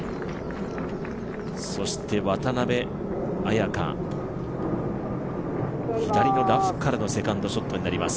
そして渡邉彩香、左のラフからのセカンドショットになります。